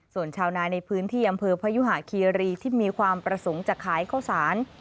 ส่วนชาวนาในพื้นที่อำเภอพยุหาคีรีที่มีความประสงค์จะขายข้าวสาร